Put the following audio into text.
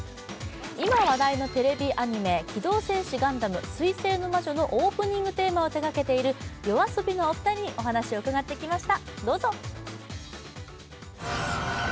今話題のテレビアニメ「機動戦士ガンダム水星の魔女」のオープニングテーマを手がけているＹＯＡＳＯＢＩのお二人にお話を伺ってきました。